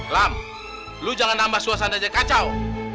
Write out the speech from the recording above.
lam lu jangan nambah suasana aja kacau